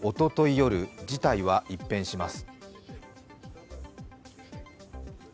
夜事態は一変します。